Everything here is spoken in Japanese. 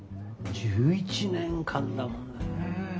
１１年間だもんねぇ。